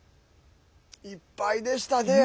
いっぱいでしたね。